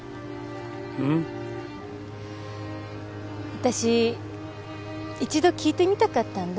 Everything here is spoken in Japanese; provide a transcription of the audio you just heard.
私一度聞いてみたかったんだ。